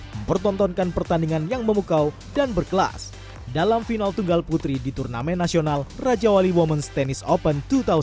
mempertontonkan pertandingan yang memukau dan berkelas dalam final tunggal putri di turnamen nasional raja wali ⁇ womens ⁇ tennis open dua ribu dua puluh